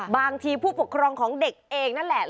ผู้ปกครองของเด็กเองนั่นแหละ